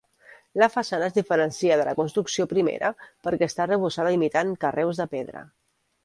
La façana es diferencia de la construcció primera perquè està arrebossada imitant carreus de pedra.